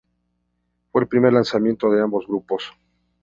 Fue el primer lanzamiento de ambos grupos.